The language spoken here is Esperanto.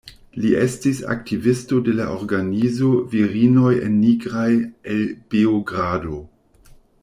Li estis aktivisto de la organizo Virinoj en Nigraj el Beogrado.